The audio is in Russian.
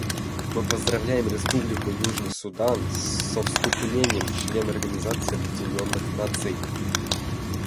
Мы поздравляем Республику Южный Судан со вступлением в члены Организации Объединенных Наций.